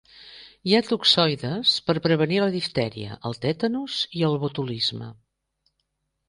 Hi ha toxoides per prevenir la diftèria, el tètanus i el botulisme.